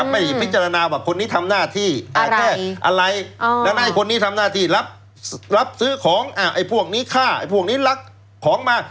พิจารณาว่าคนนี้ทำหน้าที่แค่อะไรดังนั้นไอ้คนนี้ทำหน้าที่รับซื้อของพวกนี้ฆ่าไอ้พวกนี้ลักของมา